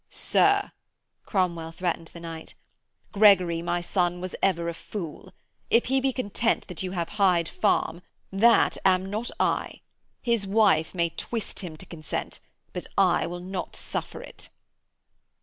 'Sir,' Cromwell threatened the knight, 'Gregory my son was ever a fool. If he be content that you have Hyde Farm that am not I. His wife may twist him to consent, but I will not suffer it.'